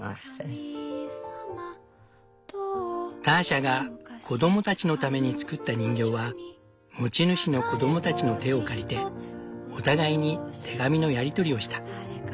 ターシャが子供たちのために作った人形は持ち主の子供たちの手を借りてお互いに手紙のやり取りをした。